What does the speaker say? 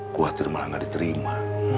kuatir malah gak diterima